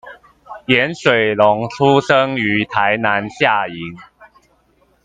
顏水龍出生於台南下營